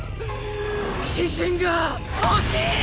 自信が欲しい！